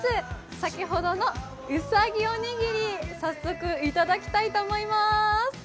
先ほどのうさぎおにぎり、早速いただきたいと思います。